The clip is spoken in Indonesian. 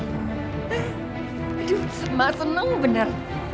aduh ma senang bener